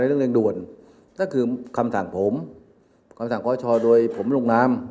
เรื่องเร่งด่วนก็คือคำสั่งผมคำสั่งขอชอโดยผมลงนาม